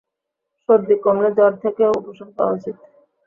সর্দি কমলে জ্বর থেকেও উপশম পাওয়া উচিত।